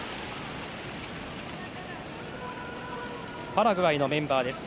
パラグアイのメンバーです。